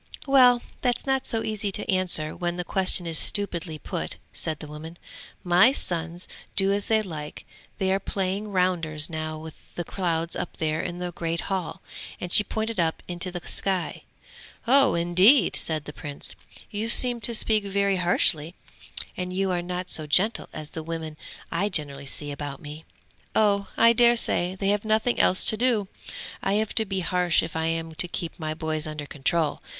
'Well that's not so easy to answer when the question is stupidly put,' said the woman. 'My sons do as they like; they are playing rounders now with the clouds up there in the great hall,' and she pointed up into the sky. 'Oh indeed!' said the Prince. 'You seem to speak very harshly, and you are not so gentle as the women I generally see about me!' 'Oh, I daresay they have nothing else to do! I have to be harsh if I am to keep my boys under control!